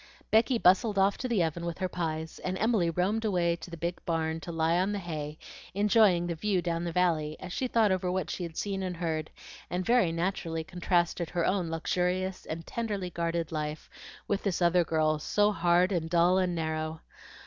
Becky bustled off to the oven with her pies, and Emily roamed away to the big barn to lie on the hay, enjoying the view down the valley, as she thought over what she had seen and heard, and very naturally contrasted her own luxurious and tenderly guarded life with this other girl's, so hard and dull and narrow.